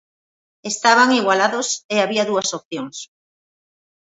Estaban igualados e había dúas opcións.